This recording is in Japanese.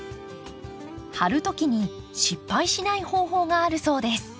貼る時に失敗しない方法があるそうです。